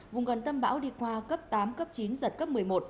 vùng gần tâm bão đi qua cấp tám cấp chín giật cấp một mươi một